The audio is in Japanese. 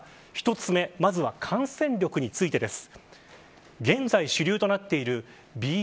１つ目まずは感染力についてです。